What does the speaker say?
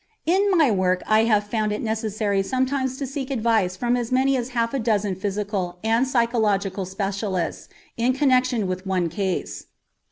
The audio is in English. In my work I have found it necessary sometimes to seek advice from as many as half a dozen physical and psychological specialists in connection with one case.